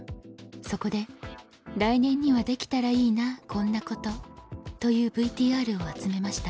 そこで「来年には・・できたらいいなこんなこと」というＶＴＲを集めました。